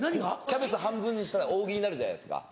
キャベツ半分にしたら扇になるじゃないですか。